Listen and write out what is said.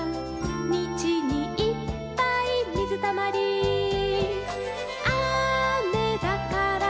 「みちにいっぱいみずたまり」「あめだから」